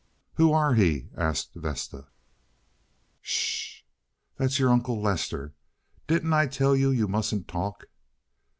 "Who are he?" asked Vesta. "Sh! That's your Uncle Lester. Didn't I tell you you mustn't talk?"